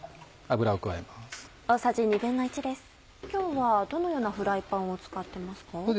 今日はどのようなフライパンを使ってますか？